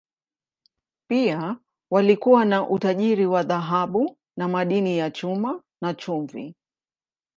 Pia walikuwa na utajiri wa dhahabu na madini ya chuma, na chumvi.